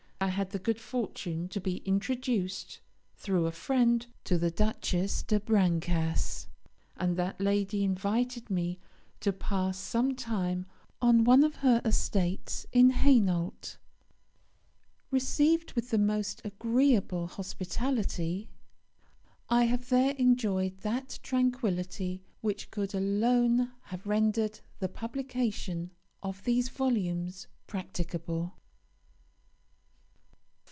I had the good fortune to be introduced, through a friend, to the Duchesse de Brancas, and that lady invited me to pass some time on one of her estates in Hainault. Received with the most agreeable hospitality, I have there enjoyed that tranquillity which could alone have rendered the publication of these volumes practicable.